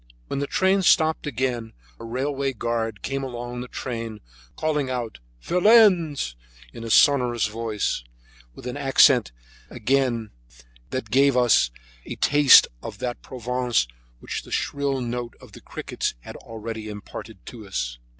When the train stopped again a railway guard ran along the train calling out "Valence" in a sonorous voice, with an accent that again gave us a taste of that Provence which the shrill note of the crickets had already imparted to us.